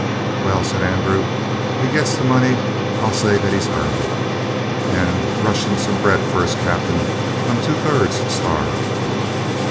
"Well," said Andrew, "if he gets the money I'll say that he's earned it. And rush in some bread first, captain. I'm two thirds starved."